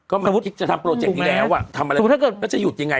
ก็มันคิดจะทำโปรเจกต์นี้แล้วอ่ะทำอะไรแล้วจะหยุดยังไง